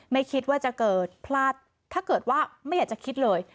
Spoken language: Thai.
ไม่คิดว่าจะเกิดพลาดถ้าเกิดว่าไม่อยากจะคิดเลย